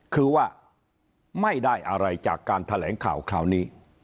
คือว่าไม่ได้อะไรจากการแถลงข่าวคราวนี้